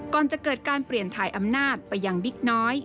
ก่อนจะเกิดการเปลี่ยนถ่ายอำนาจไปยังบิ๊กน้อย